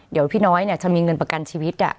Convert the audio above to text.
เดี๋ยวพี่น้อยเนี่ยถ้ามีเงินประกันชีวิต